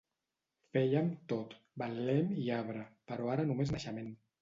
Feiem tot, betlem i arbre, però ara només naixement.